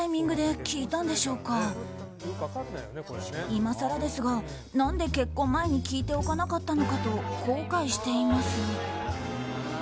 今さらですが、何で結婚前に聞いておかなかったのかと後悔しています。